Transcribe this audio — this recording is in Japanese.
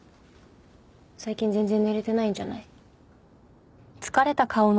最近全然寝れてないんじゃない？